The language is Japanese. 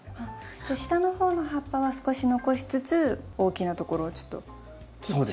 じゃあ下の方の葉っぱは少し残しつつ大きなところをちょっと切っちゃう。